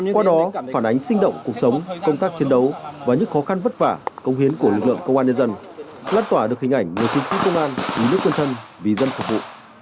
qua đó phản ánh sinh động cuộc sống công tác chiến đấu và những khó khăn vất vả công hiến của lực lượng công an nhân dân lan tỏa được hình ảnh người chiến sĩ công an vì nước quân thân vì dân phục vụ